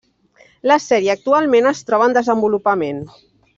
La sèrie actualment es troba en desenvolupament.